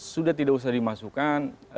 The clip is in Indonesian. sudah tidak usah dimasukkan